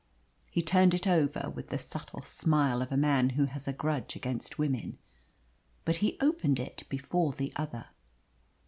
He turned it over with the subtle smile of a man who has a grudge against women. But he opened it before the other.